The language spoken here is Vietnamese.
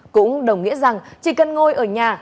cũng đồng nghĩa rằng chỉ cần ngồi ở nhà